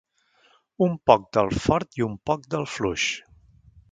Un poc del fort i un poc del fluix.